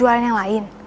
jualan yang lain